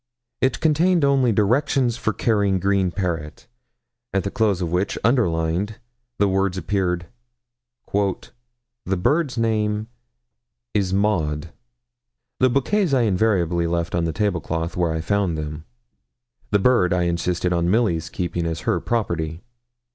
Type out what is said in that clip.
It contained only 'Directions for caring green parrot,' at the close of which, underlined, the words appeared 'The bird's name is Maud.' The bouquets I invariably left on the table cloth, where I found them the bird I insisted on Milly's keeping as her property.